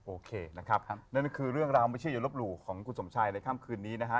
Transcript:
โอเคนะครับนั่นคือเรื่องราวไม่เชื่ออย่าลบหลู่ของคุณสมชายในค่ำคืนนี้นะฮะ